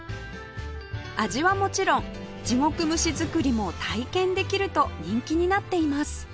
味はもちろん地獄蒸し作りも体験できると人気になっています